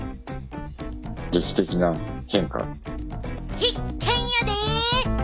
必見やで！